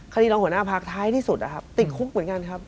รองหัวหน้าพักท้ายที่สุดนะครับติดคุกเหมือนกันครับ